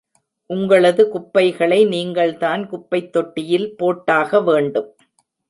உங்களது குப்பைகளை நீங்கள்தான் குப்பைத் தொட்டியில் போட்டாக வேண்டும்.